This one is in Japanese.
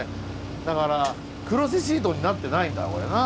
だからクロスシートになってないんだこれな。